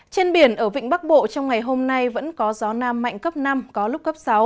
trên biển ở vịnh bắc bộ trong ngày hôm nay vẫn có gió nam mạnh cấp năm có lúc cấp sáu